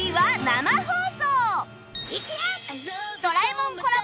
『ドラえもん』コラボ